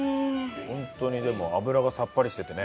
本当にでも脂がさっぱりしててね。